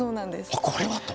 「あこれは！」と。